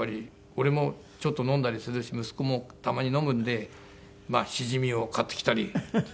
俺もちょっと飲んだりするし息子もたまに飲むんでまあシジミを買ってきたり。